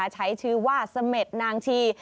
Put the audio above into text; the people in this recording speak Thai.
ใช้ชื่อว่าเสม็ดนางชี